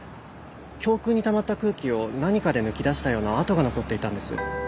胸腔にたまった空気を何かで抜き出したような跡が残っていたんです。